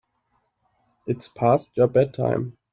It's past your bedtime.